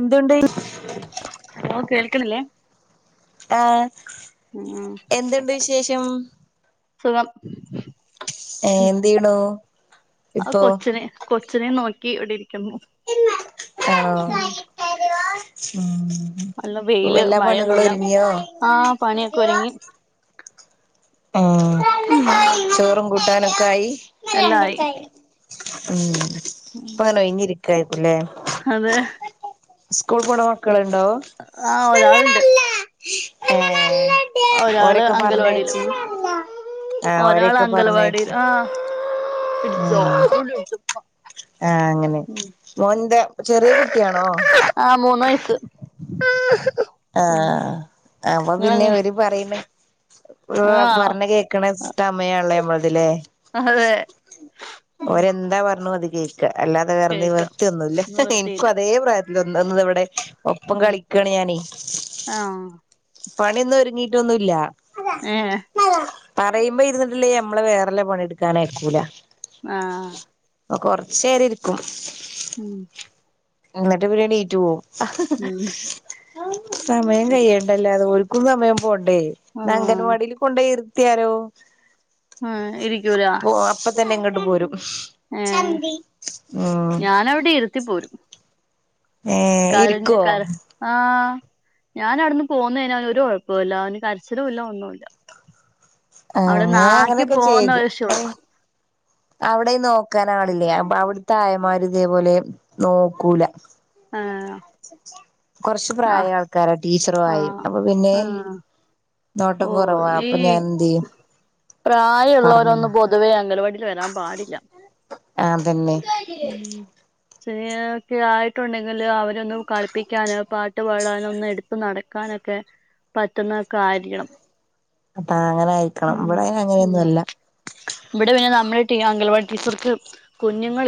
എന്തുണ്ടെയ് hello കേൾക്ക്‌ണില്ലെ ആഹ് ഉം എന്തുണ്ട് വിശേഷം. സുഖം ഏഹ് എന്ത് ചെയ്യണു ആ ഇപ്പോ കൊച്ചിന് കൊച്ചിനെ ന്നോക്കി ഇവിടിരിക്കുന്നു. ഇമ്മാ രണ്ട് കാലിട്ടരോ ആഹ് ഉം എല്ലാ പണികളും ഒരുങ്ങിയോ? ആഹ് പണിയൊക്കൊരുങ്ങി. ആഹ് ചോറും കൂട്ടാനൊക്കെ ആയി. ഉം എല്ലാം ആയി ഇപ്പ അങ്ങനെ ഒഴിഞ്ഞ് ഇരിക്കായ്രിക്കുംല്ലെ. ഹതേ സ്കൂൾക്ക്‌ പോണ മക്കളുണ്ടോ? ആഹ് ഒരാള്ണ്ട് ഏഹ് ഒരാള് ഓരൊക്കെ അങ്കൽവാടിയില് പറഞ്ഞയച്ച് ആഹ് ഒരാള് ഓരൊക്കെ അങ്കൽവാടി പറഞ്ഞയച്ച് ആഹ് ആഹ് പിടിച്ചോ ഉം ആഹ് അങ്ങനെ മോന് ന്താ ചെറിയ കുട്ടിയാണോ ആഹ് മൂന്ന് വയസ്സ് ആഹ് അപ്പൊ പിന്നെ ഇവര് പറയ്ണ് വ്വ് ആ പറഞ്ഞ് കേക്ക്ണെ സ് ടമയാണല്ലേ നമ്മളതിലെ അതെ ഉം ഓരെന്താ പറഞ്ഞു അത് കേ ക്കാ അല്ലാതെ വേറെ കേക്കാം നിവർത്തിയൊന്നുല്ല ഇനിക്കു നിവർത്തിയില്ല അതേ പ്രായത്തിൽ ഒന്ന് ഒന്നിതാ ഇവിടെ ഒപ്പം കളിക്കാണ് ഞാനെ ആഹ് പണിയൊന്നും ഒരുങ്ങീട്ടൊന്നുല്ലാ ഏഹ് പറയുമ്പോ ഇരുന്നിട്ടില്ലേ ഞമ്മള് വേറെള്ള പണി ഇടുക്കാനയക്കൂല ആഹ് കൊറച്ചേരം ഇരിക്കും ഉം ഇന്നിട്ട് പിന്നെ ണീറ്റ് പോവും ഉം സമയം കഴിയണ്ടല്ലേ അത് ഓൽക്കും സമയം പോണ്ടേ എന്നാ ആ അങ്കൻവാടീൽ കൊണ്ടേ ഇരുത്തിയാലോ ആഹ് ഇരിക്കൂല പോ അപ്പ തന്നെ ഇങ്ങട്ട് പോരും ഏ ഉം ഞാനവിടെ ഇരുത്തി പോരും ഏ കരഞ്ഞ് ഇരിക്കോ കര ആഹ് ഞാൻ അവിടിന്ന് പോന്ന് കഴിഞ്ഞാ അവന് ഒരു കൊഴപ്പൂല്ല അവന് കരച്ചിലും ഇല്ല ഒന്നും ഇല്ല ആ ഞാൻ അവിടൊന്നാക്കി അങ്ങനെയൊക്കെ പോന്ന ഒര് വിഷേള്ളൂ അവിടെയും നോക്കാൻ ആളില്ല അവിടുത്തെ ആയമാര് ഇതേപോലെ നോക്കൂല ആഹ് കൊറച്ച് ആഹ് പ്രായ ആൾക്കാരാ ടീച്ചറും ആയെയും ആഹ് അപ്പൊ പിന്നെ ആഹ് നോട്ടം ഓ കൊറവാ അപ്പൊ ഞാൻ എന്ത് ചെയ്യും പ്രായം പറഞ്ഞു ഇള്ളോരൊന്നും പൊതുവേ അങ്കലവാടില് വരാൻ പാടില്ല ആഹ് അതന്നെ ഉം സീനിയറൊക്കെ ആയിട്ടുണ്ടെങ്കില് അവരൊന്ന് കളിപ്പിക്കാന് പാട്ട് പാടാനോ ഒന്ന് എട് ത്ത് നടക്കാനൊക്കെ പറ്റുന്ന ഒക്കെ ആയിരിക്കണം അതാ അങ്ങനായി ഉം ഉം ഇവിടെ പിന്നെ നമ്മളെ ടീ അങ്കൽവാടി ടീച്ചർക്ക് കുഞ്ഞുങ്ങളി